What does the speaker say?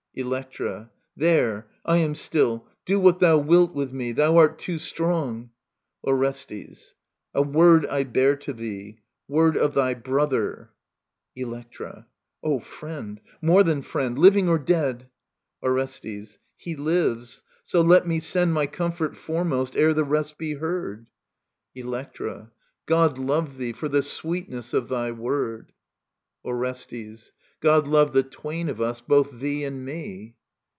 Electra. There — ^I am still. Do what thou wilt with me. Thou art too strong. Orestes. A word I bear to thee ••• Word of thy brother. Electra. Oh, friend I More than friend I Living or dead i Orestes. He lives ; so let me send My comfort foremost, ere the rest be heard. Digitized by VjOOQIC ELECTRA IS Electra. God love thee for the sweetness of thy word ! Orestes. God love the twain of us, both thee and me.